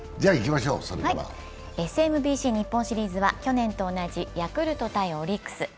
ＳＭＢＣ日本シリーズは去年と同じヤクルト×オリックス。